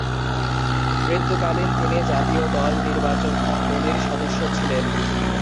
মৃত্যুকালীন তিনি জাতীয় দল নির্বাচকমণ্ডলীর সদস্য ছিলেন।